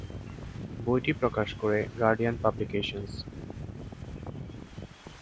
বইটি প্রকাশ করে guardian publications.